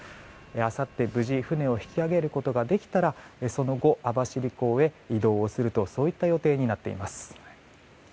あさって、無事船を引き揚げることができたらその後、網走港へ移動するといった予定になっています。